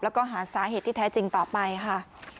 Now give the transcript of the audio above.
แล้วก็หาสาเหตุที่แท้จริงต่อไปค่ะ